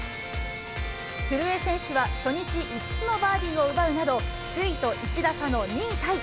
古江選手は初日５つのバーディーを奪うなど、首位と１打差の２位タイ。